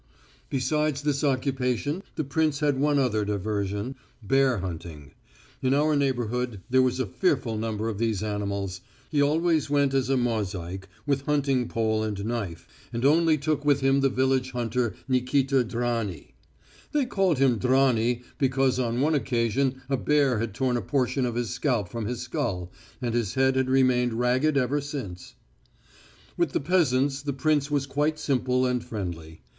Besides this occupation the prince had one other diversion bear hunting. In our neighbourhood there were a fearful number of these animals. He always went as a mouzhik, with hunting pole and knife, and only took with him the village hunter Nikita Dranny. They called him Dranny because on one occasion a bear had torn a portion of his scalp from his skull, and his head had remained ragged ever since. "Dranny," means torn or ragged. With the peasants the prince was quite simple and friendly.